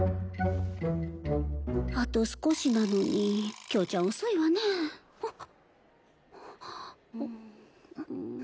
あと少しなのに京ちゃん遅いわね。あっ！